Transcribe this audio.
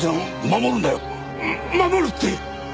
守るって？